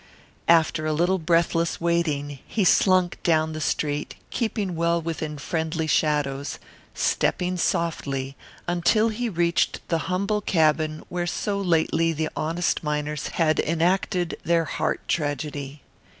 After a little breathless waiting he slunk down the street, keeping well within friendly shadows, stepping softly, until he reached the humble cabin where so lately the honest miners had enacted their heart tragedy.